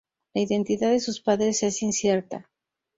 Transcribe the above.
La identidad de sus padres es incierta.